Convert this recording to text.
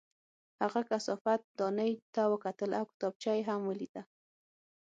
هغه کثافت دانۍ ته وکتل او کتابچه یې هم ولیده